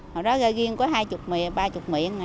hồi đó ghiêng có hai mươi miệng ba mươi miệng